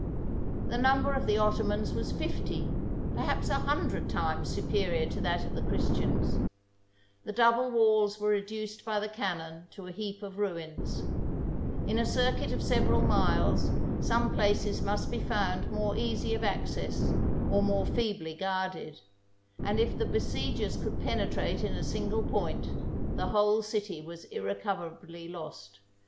The number of the Ottomans was fifty, perhaps a hundred, times superior to that of the Chris tians ; the double walls were reduced by the cannon to a heap of ruins: in a circuit of several miles, some places must be found more easy of access, or more feebly guarded; and if the besiegers could penetrate in a single point, the whole city was irrecoverably lost.